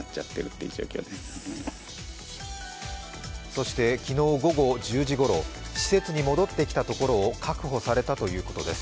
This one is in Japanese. そして、昨日午後１０時ごろ施設に戻ってきたところを確保されたということです。